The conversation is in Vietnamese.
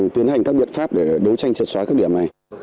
tiến hành các biện pháp để đấu tranh chặt xóa các điểm này